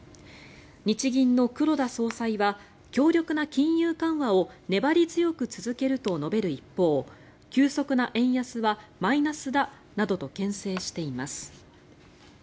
日銀の黒田総裁は強力な金融緩和を粘り強く続けると述べる一方急速な円安はマイナスだなどとけん制しています。